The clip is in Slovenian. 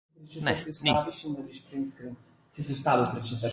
Ne, ni.